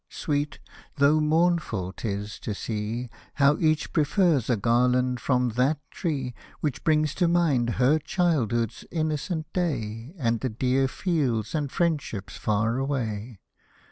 sweet, though mournful, 'tis to see How each prefers a garland from that tree Which brings to mind her childhood's innocent day And the dear fields and friendships far away.